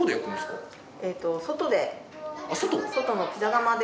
外で。